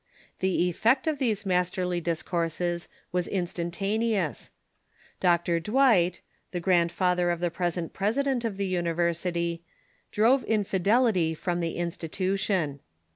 The effect of these masterly discourses was instantaneous. Dr. Dwight, the grandfather of the present president of the uni versity, drove infidelity from the institution.